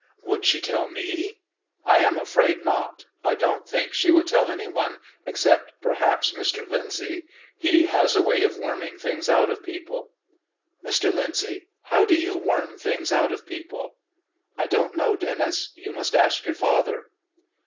"Would she tell me?" "I am afraid not. I don't think she would tell any one, except perhaps Mr. Lyndsay. He has a way of worming things out of people." "Mr. Lyndsay, how do you worm things out of people?" "I don't know, Denis; you must ask your father."